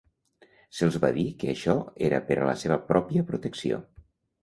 Se'ls va dir que això era per a la seva pròpia protecció.